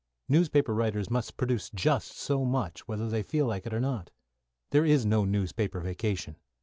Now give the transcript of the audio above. Newspaper writers must produce just so much, whether they feel like it or not. There is no newspaper vacation.